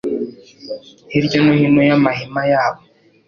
hirya no hino y’amahema yabo